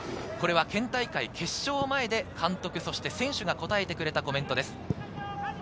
県大会決勝前で監督、選手が答えてくれたコメントです。